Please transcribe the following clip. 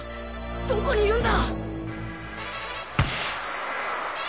どこにいるんだ！